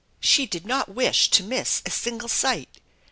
She did not wish to miss a single sight.